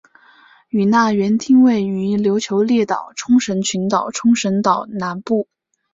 与那原町位于琉球列岛冲绳群岛冲绳岛南部。